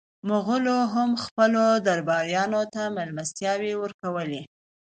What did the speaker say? مغولو هم خپلو درباریانو ته مېلمستیاوې ورکولې.